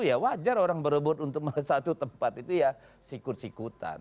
ya wajar orang berebut untuk satu tempat itu ya sikut sikutan